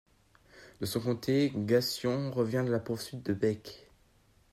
De son côté, Gassion revient de la poursuite de Beck.